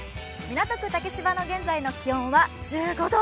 港区竹芝の現在の気温は１５度。